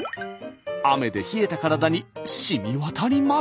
雨で冷えた体にしみ渡ります。